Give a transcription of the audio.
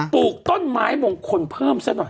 ปลูกต้นไม้มงคลเพิ่มซะหน่อย